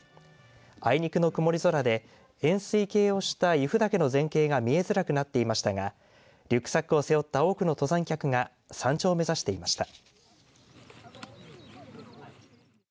あいにくの曇り空で円すい形をした由布岳の全景が見えづらくなっていましたがリュックサックを背負った多くの登山客が山頂を目指していました。